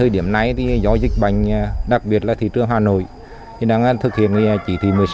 đặc biệt là thị trường hà nội đang thực hiện chỉ thị một mươi sáu